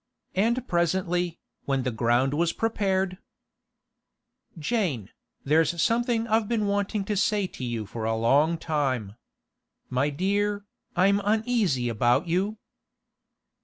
And presently, when the ground was prepared: 'Jane, there's something I've been wanting to say to you for a long time. My dear, I'm uneasy about you.